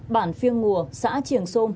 bản phiêng ngùa xã trường sôm